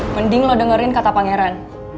mending lo dengerin kata pangeran